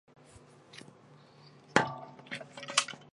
他们在那里制作歌曲。